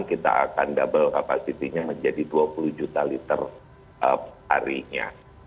kita akan double kapasitinya menjadi dua puluh juta liter perharinya